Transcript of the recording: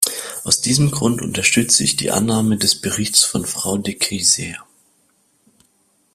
Aus diesem Grund unterstütze ich die Annahme des Berichts von Frau De Keyser.